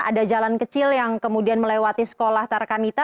ada jalan kecil yang kemudian melewati sekolah tarkanita